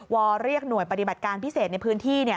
เรียกหน่วยปฏิบัติการพิเศษในพื้นที่